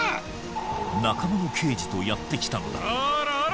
仲間の刑事とやってきたのだ・おら